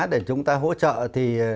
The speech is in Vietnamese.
để chúng ta hỗ trợ thì